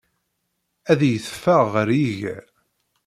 Ad iyi-teffeɣ ɣer yiger.